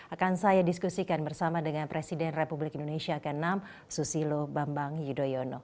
akan saya diskusikan bersama dengan presiden republik indonesia ke enam susilo bambang yudhoyono